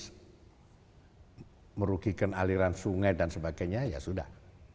jadi kalau saya merugikan aliran sungai dan sebagainya ya sudah